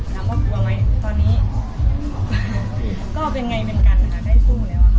กลัวไหมตอนนี้ก็เป็นไงเหมือนกันนะคะได้สู้แล้ว